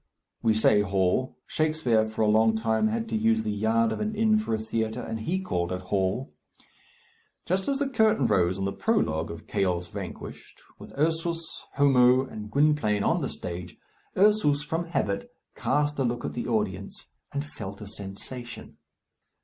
We say hall. Shakespeare for a long time had to use the yard of an inn for a theatre, and he called it hall. Just as the curtain rose on the prologue of "Chaos Vanquished," with Ursus, Homo, and Gwynplaine on the stage, Ursus, from habit, cast a look at the audience, and felt a sensation.